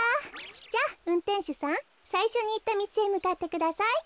じゃあうんてんしゅさんさいしょにいったみちへむかってください。